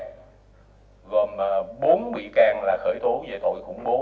gồm bốn bị can là khởi tố về tội khủng bố